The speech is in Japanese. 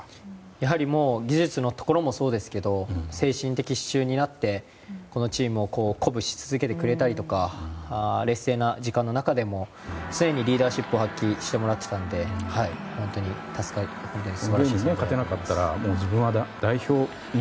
やはり技術のところもそうですけど精神的支柱になってチームを鼓舞し続けてくれたりとか劣勢な時間の中でも常にリーダーシップを発揮してもらっていたので本当に助かりました。